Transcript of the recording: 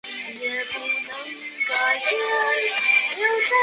丰捷卡巴尔代斯人口变化图示